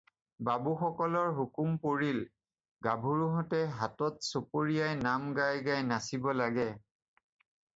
বাবুসকলৰ হুকুম পৰিল "গাভৰুহঁতে হাতত চপৰিয়াই নাম গাই গাই নাচিব লাগে।"